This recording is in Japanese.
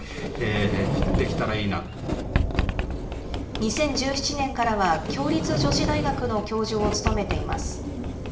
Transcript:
２０１７年からは、共立女子大学の教授を務めています。